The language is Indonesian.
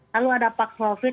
lalu ada paxlovid